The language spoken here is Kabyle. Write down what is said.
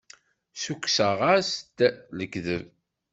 Ssukkseɣ-as-d lekdeb.